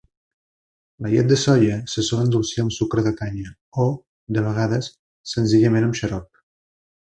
La llet de soia se sol endolcir amb sucre de canya o, de vegades, senzillament amb xarop.